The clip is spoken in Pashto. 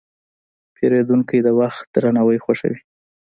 پیرودونکی د وخت درناوی خوښوي.